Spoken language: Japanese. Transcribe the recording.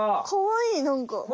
かわいいなんか。